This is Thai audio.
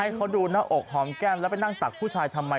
เขาดูหน้าอกหอมแก้มแล้วไปนั่งตักผู้ชายทำไม